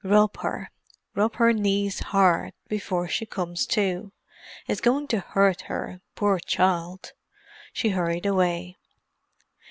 "Rub her—rub her knees hard, before she comes to. It's going to hurt her, poor child!" She hurried away.